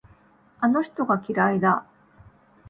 あの人が嫌いだ。